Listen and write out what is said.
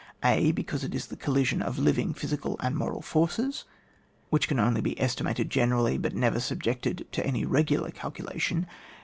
(a) Because it is the collision of living physical and moral forces, which can 130 ON WAR. only be estimated generally^ but never subjected to any regular calculation.